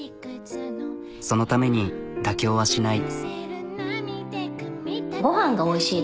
そのために妥協はしない。